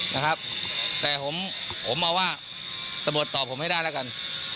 นะครับแต่ผมเอาว่าสะบดตอบผมให้ได้แล้วกัน